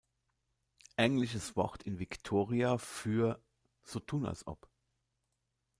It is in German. Englisches Wort in Victoria für „so tun als ob“.